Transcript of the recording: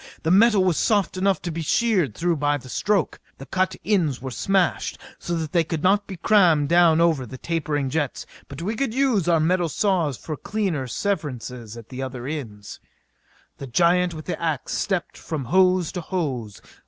The metal was soft enough to be sheered through by the stroke. The cut ends were smashed so that they could not be crammed down over the tapering jets; but we could use our metal saws for cleaner severances at the other ends. The giant with the ax stepped from hose to hose.